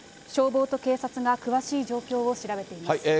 消防と警察が詳しい状況を調べています。